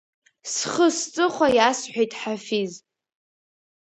Схы-сҵыхәа иасҳәеит Ҳафиз.